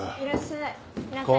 いらっしゃい。